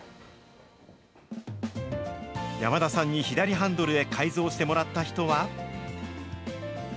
山田さんに左ハンドルへ改造してもらった人は。